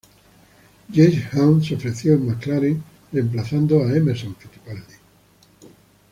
James Hunt se ofreció en McLaren, reemplazando a Emerson Fittipaldi.